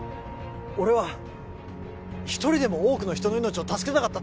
俺は一人でも多くの人の命を助けたかった